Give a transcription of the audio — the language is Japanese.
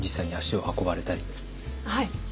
はい。